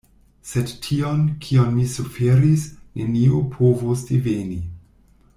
Sed tion, kion mi suferis, neniu povos diveni.